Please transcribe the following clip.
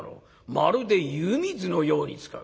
まるで湯水のように使う。